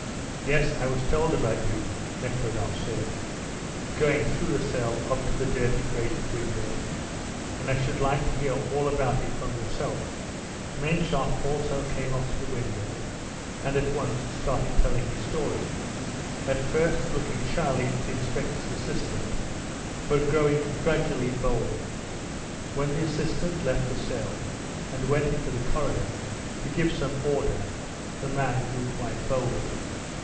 "Yes, I was told about you," Nekhludoff said, going through the cell up to the dirty grated window, "and I should like to hear all about it from yourself." Menshoff also came up to the window, and at once started telling his story, at first looking shyly at the inspector's assistant, but growing gradually bolder. When the assistant left the cell and went into the corridor to give some order the man grew quite bold.